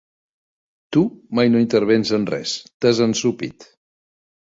Tu mai no intervens en res: t'has ensopit.